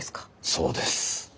そうです。